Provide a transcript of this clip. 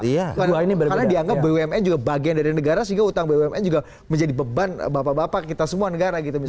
karena dianggap bumn juga bagian dari negara sehingga utang bumn juga menjadi beban bapak bapak kita semua negara